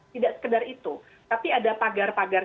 tidak sekedar itu tapi ada pagar pagar